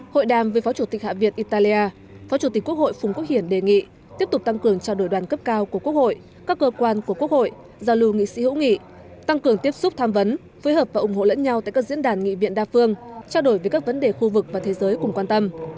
hội đàm với phó chủ tịch hạ viện italia phó chủ tịch quốc hội phùng quốc hiển đề nghị tiếp tục tăng cường trao đổi đoàn cấp cao của quốc hội các cơ quan của quốc hội giao lưu nghị sĩ hữu nghị tăng cường tiếp xúc tham vấn phối hợp và ủng hộ lẫn nhau tại các diễn đàn nghị viện đa phương trao đổi về các vấn đề khu vực và thế giới cùng quan tâm